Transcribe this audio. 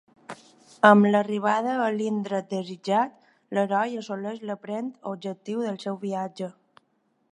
Amb l'arribada a l'indret desitjat, l'heroi assoleix l'aparent objectiu del seu viatge.